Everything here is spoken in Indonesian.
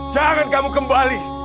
jangan kamu kembali